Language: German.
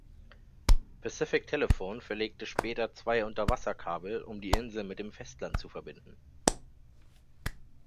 Pacific Telephone verlegte später zwei Unterwasserkabel, um die Insel mit dem Festland zu verbinden.